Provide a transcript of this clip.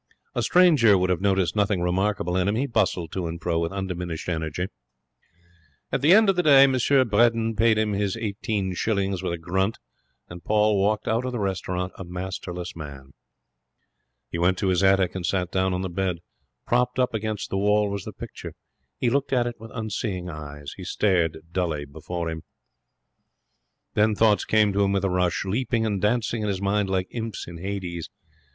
A stranger would have noticed nothing remarkable in him. He bustled to and fro with undiminished energy. At the end of the day M. Bredin paid him his eighteen shillings with a grunt, and Paul walked out of the restaurant a masterless man. He went to his attic and sat down on the bed. Propped up against the wall was the picture. He looked at it with unseeing eyes. He stared dully before him. Then thoughts came to him with a rush, leaping and dancing in his mind like imps in Hades.